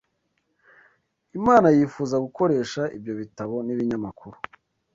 Imana yifuza gukoresha ibyo bitabo n’ibinyamakuru